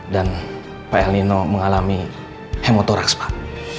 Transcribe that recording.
dan pak el nino mengalami hemotoraks pak